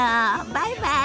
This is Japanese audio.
バイバイ。